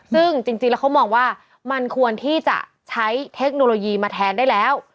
ซึ่งจริงแล้วเขามองว่ามันควรที่จะใช้เทคโนโลยีมาแทนได้แล้ว